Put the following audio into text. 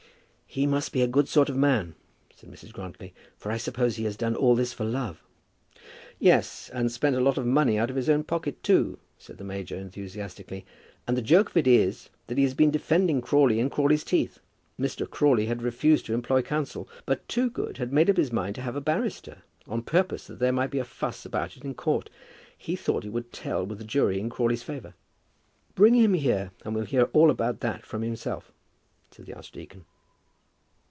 "He must be a good sort of man," said Mrs. Grantly; "for I suppose he has done all this for love?" "Yes; and spent a lot of money out of his own pocket too!" said the major enthusiastically. "And the joke of it is, that he has been defending Crawley in Crawley's teeth. Mr. Crawley had refused to employ counsel; but Toogood had made up his mind to have a barrister, on purpose that there might be a fuss about it in court. He thought that it would tell with the jury in Crawley's favour." "Bring him here, and we'll hear all about that from himself," said the archdeacon.